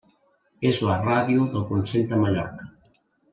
És la ràdio del Consell de Mallorca.